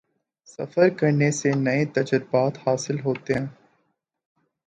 سفر کرنے سے نئے تجربات حاصل ہوتے ہیں